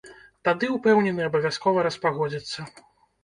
Тады, упэўнены, абавязкова распагодзіцца.